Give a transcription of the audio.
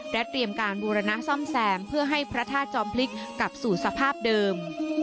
เตรียมการบูรณะซ่อมแซมเพื่อให้พระธาตุจอมพลิกกลับสู่สภาพเดิม